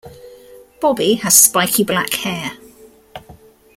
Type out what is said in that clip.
Bobby has spiky black hair.